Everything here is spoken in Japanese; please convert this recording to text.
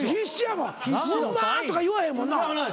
「うま！」とか言わへんもんな。